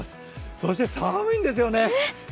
そして寒いんですよね。